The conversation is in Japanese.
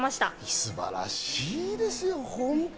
素晴らしいですよ。